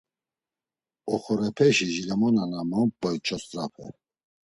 Oxorepeşi jilemona na nomp̌oy çost̆rape…